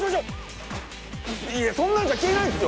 いやそんなんじゃ消えないっすよ！